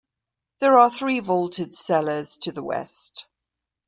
There are three vaulted cellars to the west.